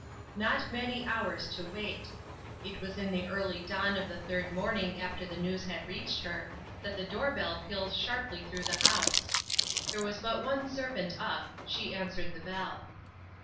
Not many hours to wait. It was in the early dawn of the third morning after the news had reached her, that the door bell pealed sharply through the house. There was but one servant up; she answered the bell.